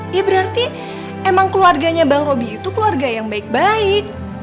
ya berarti emang keluarganya bang roby itu keluarga yang baik baik